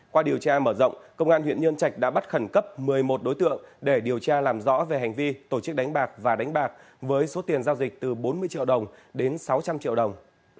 qua điều tra mở rộng công an huyện nhân trạch đã bắt khẩn cấp một mươi một đối tượng để điều tra làm rõ về hành vi tổ chức đánh bạc và đánh bạc với số tiền giao dịch từ bốn mươi triệu đồng đến sáu trăm linh triệu đồng